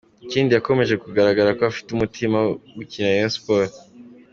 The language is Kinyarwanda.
Ikindi yakomeje kugaragaza ko afite umutima wo gukinira Rayon Sports.